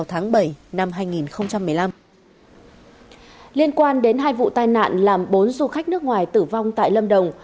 hai vụ tai nạn làm bốn du khách nước ngoài tử vong tại lâm đồng